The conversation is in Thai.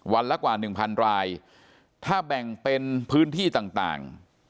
วันละกว่าหนึ่งพันรายถ้าแบ่งเป็นพื้นที่ต่าง